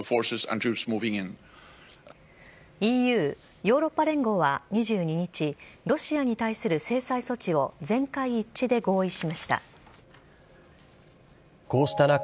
ＥＵ・ヨーロッパ連合は、２２日、ロシアに対する制裁措置を全会一致で合意しました。